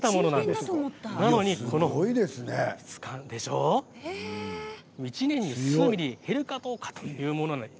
それなのに１年に数ミリ減るかどうかというものなんです。